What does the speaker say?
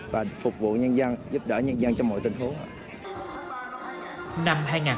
và phục vụ nhân dân giúp đỡ nhân dân trong mọi tình huống